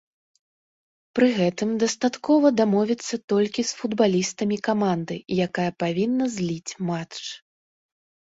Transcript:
Пры гэтым, дастаткова дамовіцца толькі з футбалістамі каманды, якая павінна зліць матч.